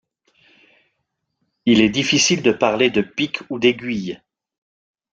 Il est difficile de parler de pics ou d'aiguilles.